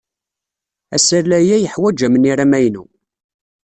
Asalay-a yeḥwaj amnir amaynu.